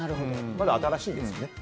まだ新しいんですね。